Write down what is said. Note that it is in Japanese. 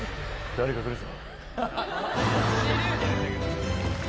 誰か来るぞ。